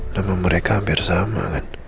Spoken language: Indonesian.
nama mereka hampir sama